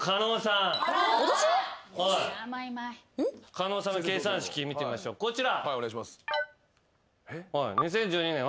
狩野さんの計算式見てみましょうこちら。